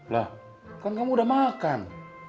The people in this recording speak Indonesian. lah kan kamu udah makan